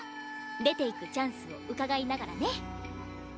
出て行くチャンスをうかがいながらね。